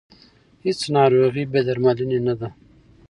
هیڅ ناروغي بې درملنې نه ده.